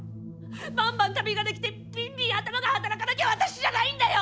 バンバン旅ができてビンビン頭が働かなきゃ私じゃないんだよ！